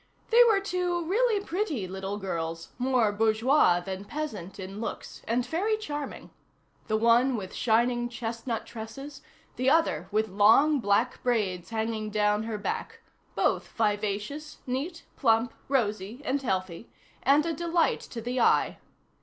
They were two really pretty little girls, more bourgeois than peasant in looks, and very charming; the one with shining chestnut tresses, the other with long black braids hanging down her back, both vivacious, neat, plump, rosy, and healthy, and a delight to the eye.